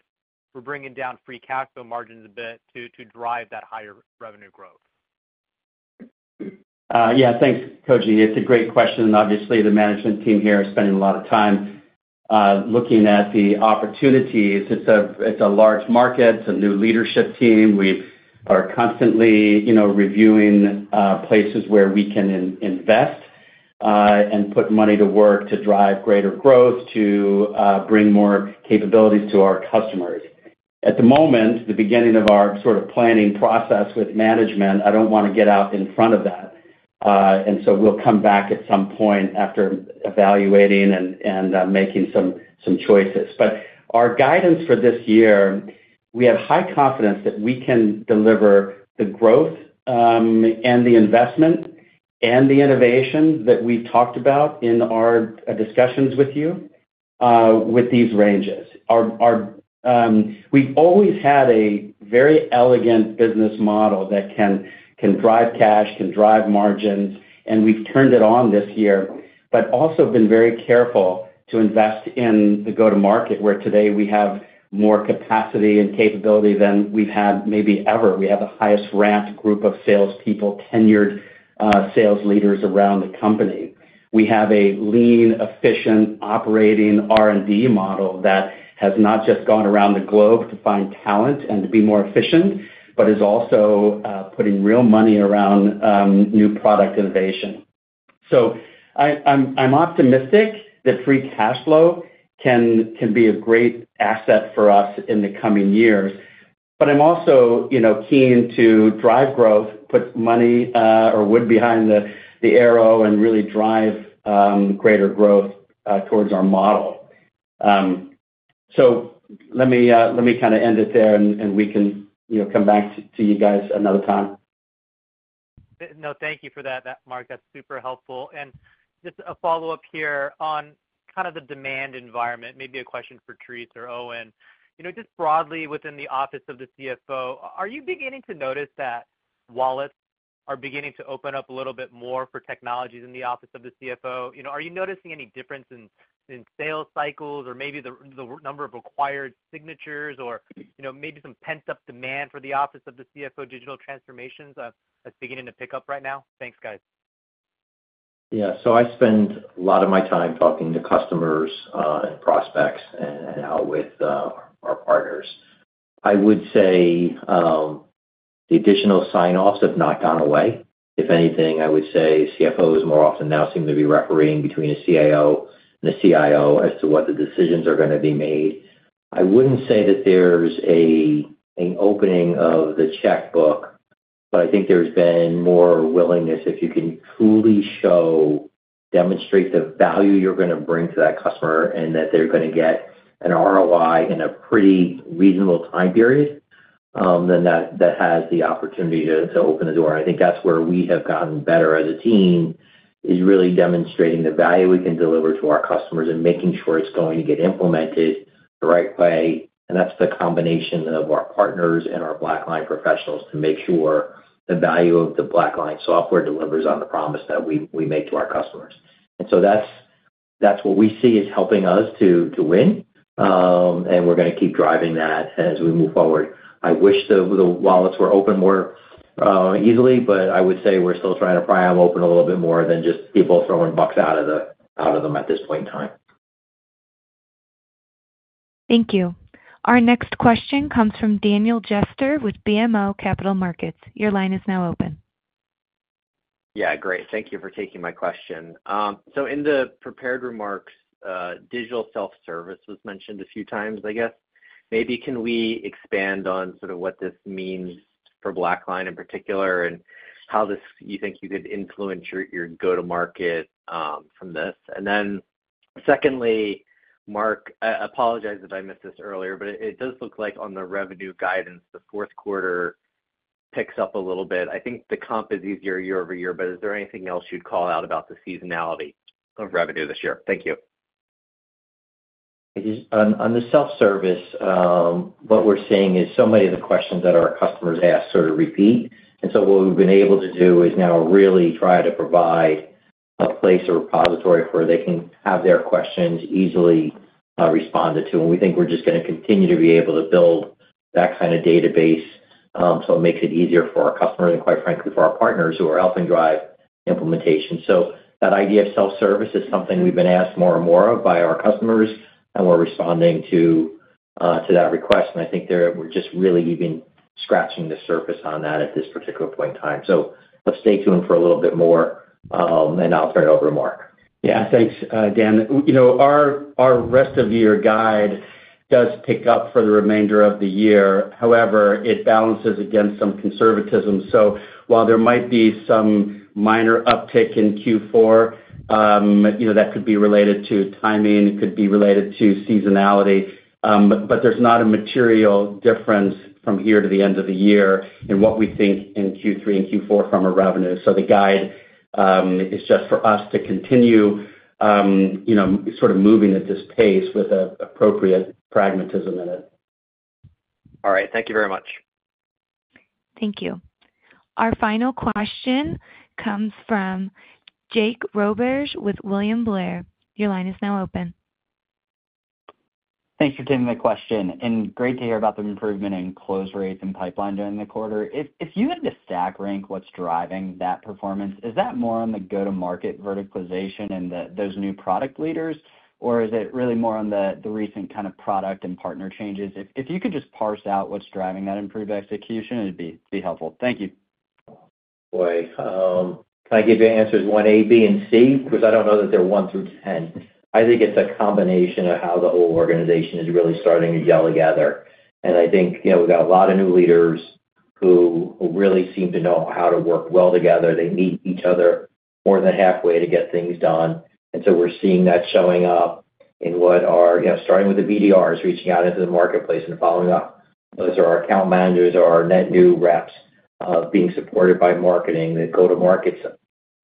we're bringing down free cash flow margins a bit to drive that higher revenue growth? Yeah. Thanks, Koji. It's a great question, and obviously, the management team here is spending a lot of time, looking at the opportunities. It's a large market. It's a new leadership team. We are constantly, you know, reviewing, places where we can invest, and put money to work to drive greater growth, to, bring more capabilities to our customers. At the moment, the beginning of our sort of planning process with management, I don't want to get out in front of that, and so we'll come back at some point after evaluating and making some choices. But our guidance for this year, we have high confidence that we can deliver the growth, and the investment and the innovation that we've talked about in our, discussions with you, with these ranges. We've always had a very elegant business model that can drive cash, can drive margins, and we've turned it on this year, but also been very careful to invest in the go-to-market, where today we have more capacity and capability than we've had maybe ever. We have the highest ranked group of salespeople, tenured sales leaders around the company. We have a lean, efficient, operating R&D model that has not just gone around the globe to find talent and to be more efficient, but is also putting real money around new product innovation. So I'm optimistic that free cash flow can be a great asset for us in the coming years. But I'm also, you know, keen to drive growth, put money or wood behind the arrow, and really drive greater growth towards our model. So let me kind of end it there, and we can, you know, come back to you guys another time. No, thank you for that, Mark. That's super helpful. Just a follow-up here on kind of the demand environment, maybe a question for Therese or Owen. You know, just broadly within the Office of the CFO, are you beginning to notice that wallets are beginning to open up a little bit more for technologies in the Office of the CFO? You know, are you noticing any difference in, in sales cycles or maybe the, the number of acquired signatures or, you know, maybe some pent-up demand for the Office of the CFO digital transformations, that's beginning to pick up right now? Thanks, guys. Yeah. So I spend a lot of my time talking to customers, and prospects, and now with our partners. I would say the additional sign-offs have not gone away. If anything, I would say CFOs more often now seem to be refereeing between a CAO and a CIO as to what the decisions are gonna be made. I wouldn't say that there's an opening of the checkbook, but I think there's been more willingness if you can truly show, demonstrate the value you're gonna bring to that customer and that they're gonna get an ROI in a pretty reasonable time period, then that has the opportunity to open the door. I think that's where we have gotten better as a team, is really demonstrating the value we can deliver to our customers and making sure it's going to get implemented the right way. That's the combination of our partners and our BlackLine professionals to make sure the value of the BlackLine software delivers on the promise that we make to our customers. So that's what we see is helping us to win, and we're gonna keep driving that as we move forward. I wish the wallets were open more easily, but I would say we're still trying to pry them open a little bit more than just people throwing bucks out of them at this point in time. Thank you. Our next question comes from Daniel Jester with BMO Capital Markets. Your line is now open. Yeah, great. Thank you for taking my question. So in the prepared remarks, digital self-service was mentioned a few times, I guess. Maybe can we expand on sort of what this means for BlackLine in particular, and how this you think you could influence your, your go-to market, from this? And then secondly, Mark, I apologize if I missed this earlier, but it does look like on the revenue guidance, the fourth quarter picks up a little bit. I think the comp is easier year-over-year, but is there anything else you'd call out about the seasonality of revenue this year? Thank you. On the self-service, what we're seeing is so many of the questions that our customers ask sort of repeat. And so what we've been able to do is now really try to provide a place or repository where they can have their questions easily responded to. And we think we're just gonna continue to be able to build that kind of database, so it makes it easier for our customers and, quite frankly, for our partners who are helping drive implementation. So that idea of self-service is something we've been asked more and more of by our customers, and we're responding to that request. And I think there, we're just really even scratching the surface on that at this particular point in time. So let's stay tuned for a little bit more, and I'll turn it over to Mark. Yeah. Thanks, Dan. You know, our rest of year guide does pick up for the remainder of the year. However, it balances against some conservatism. So while there might be some minor uptick in Q4, you know, that could be related to timing, it could be related to seasonality, but there's not a material difference from here to the end of the year in what we think in Q3 and Q4 from our revenue. So the guide is just for us to continue, you know, sort of moving at this pace with an appropriate pragmatism in it. All right. Thank you very much. Thank you. Our final question comes from Jake Roberge with William Blair. Your line is now open. Thanks for taking my question, and great to hear about the improvement in close rates and pipeline during the quarter. If you had to stack rank what's driving that performance, is that more on the go-to-market verticalization and those new product leaders? Or is it really more on the recent kind of product and partner changes? If you could just parse out what's driving that improved execution, it'd be helpful. Thank you. Boy, can I give you answers one, A, B, and C? Because I don't know that they're one through ten. I think it's a combination of how the whole organization is really starting to gel together. And I think, you know, we've got a lot of new leaders who really seem to know how to work well together. They meet each other more than halfway to get things done, and so we're seeing that showing up in what are, you know, starting with the BDRs, reaching out into the marketplace and following up. Those are our account managers or our net new reps, being supported by marketing. The go-to-markets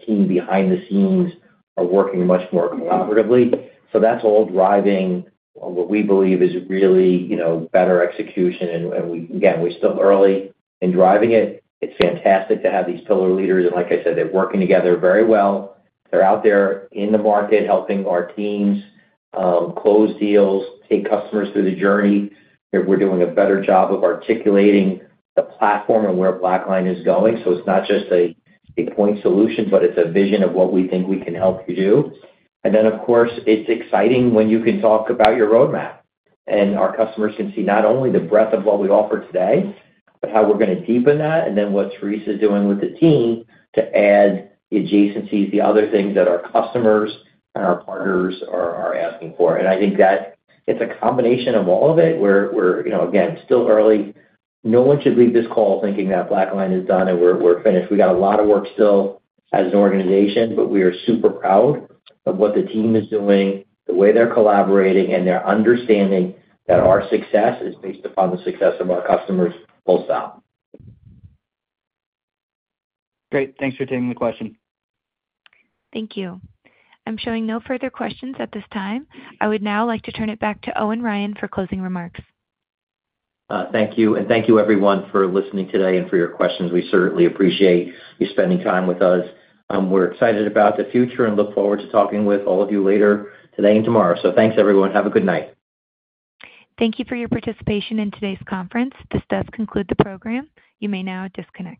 team behind the scenes are working much more cooperatively. So that's all driving what we believe is really, you know, better execution. And again, we're still early in driving it. It's fantastic to have these pillar leaders, and like I said, they're working together very well. They're out there in the market, helping our teams close deals, take customers through the journey that we're doing a better job of articulating the platform and where BlackLine is going. So it's not just a point solution, but it's a vision of what we think we can help you do. And then, of course, it's exciting when you can talk about your roadmap, and our customers can see not only the breadth of what we offer today, but how we're gonna deepen that, and then what Therese is doing with the team to add the adjacencies, the other things that our customers and our partners are asking for. And I think that it's a combination of all of it. We're you know, again, still early. No one should leave this call thinking that BlackLine is done and we're finished. We got a lot of work still as an organization, but we are super proud of what the team is doing, the way they're collaborating, and they're understanding that our success is based upon the success of our customers, full stop. Great. Thanks for taking the question. Thank you. I'm showing no further questions at this time. I would now like to turn it back to Owen Ryan for closing remarks. Thank you, and thank you, everyone, for listening today and for your questions. We certainly appreciate you spending time with us. We're excited about the future and look forward to talking with all of you later today and tomorrow. Thanks, everyone. Have a good night. Thank you for your participation in today's conference. This does conclude the program. You may now disconnect.